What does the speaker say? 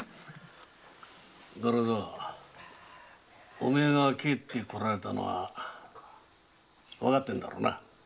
お前が帰ってこられたのはわかってるだろうな？